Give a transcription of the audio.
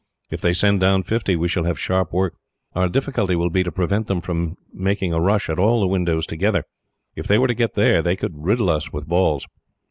"If they send down fifty, we shall have sharp work. Our difficulty will be to prevent them from making a rush at all the windows together. If they were to get there, they could riddle us with balls."